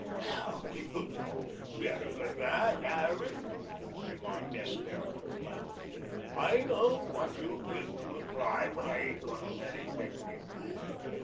"Now, you know better than that, Harran," remonstrated S. Behrman blandly. "I know what you mean to imply, but I ain't going to let it make me get mad.